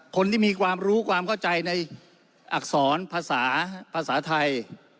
คนที่มีความรู้ความเข้าใจในอักษรภาษาภาษาไทย